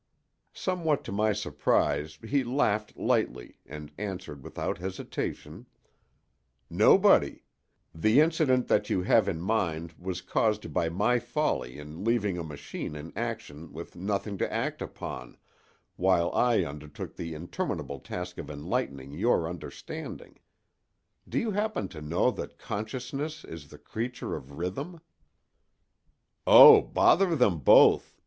Somewhat to my surprise he laughed lightly and answered without hesitation: "Nobody; the incident that you have in mind was caused by my folly in leaving a machine in action with nothing to act upon, while I undertook the interminable task of enlightening your understanding. Do you happen to know that Consciousness is the creature of Rhythm?" "O bother them both!"